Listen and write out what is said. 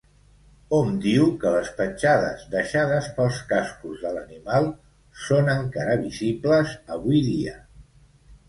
Hom diu que les petjades deixades pels cascos de l'animal són encara visibles avui dia.